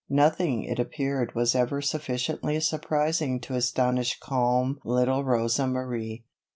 Nothing it appeared was ever sufficiently surprising to astonish calm little Rosa Marie.